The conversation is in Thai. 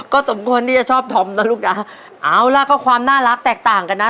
ก็สมควรที่จะชอบธอมนะลูกนะเอาล่ะก็ความน่ารักแตกต่างกันนะ